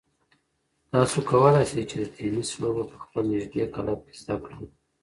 تاسو کولای شئ چې د تېنس لوبه په خپل نږدې کلب کې زده کړئ.